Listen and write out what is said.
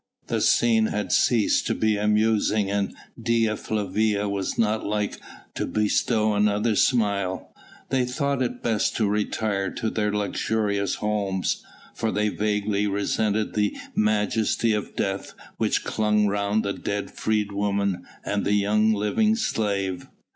The scene had ceased to be amusing and Dea Flavia was not like to bestow another smile. They thought it best to retire to their luxurious homes, for they vaguely resented the majesty of death which clung round the dead freedwoman and the young living slave.